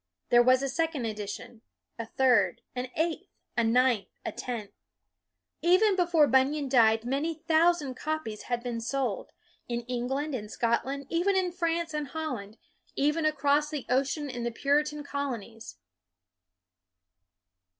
There was a second edi tion, a third, an eighth, a ninth, a tenth. Even before Bunyan died, many thousand copies had been sold, in England, in Scot land, even in France and Holland, even BUNYAN 275 across the ocean in the Puritan colonies.